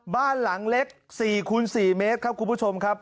บ้านหลังเล็ก๔คูณ๔เมตรครับคุณผู้ชมครับ